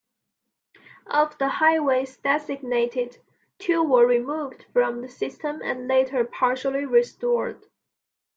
Of the highways designated, two were removed from the system and later partially restored.